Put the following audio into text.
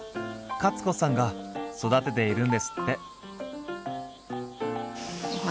カツ子さんが育てているんですって。